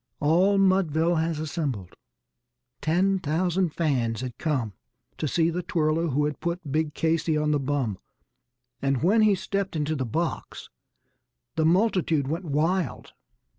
All Mudville has assembled; ten thousand fans had come To see the twirler who had put big Casey on the bum; And when he stepped into the box the multitude went wild.